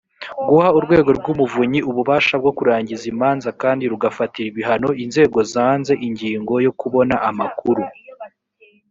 guha urwego rw umuvunyi ububasha bwo kurangiza imanza kandi rugafatira ibihano inzego zanze ingingo yo kubona amakuru